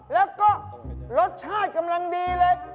แล้วก็รสชาติกำลังดีเลย